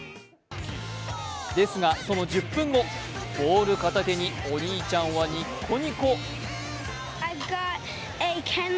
ですが、その１０分後、ボール片手にお兄ちゃんはにっこにこ。